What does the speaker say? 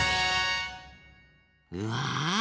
うわ！